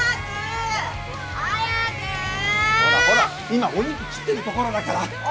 今お肉切ってるところだから。